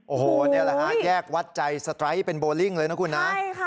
โอ้โหนี่แหละแยกวัดใจสไตรส์เป็นโบลิ่งเลยนะคุณนะ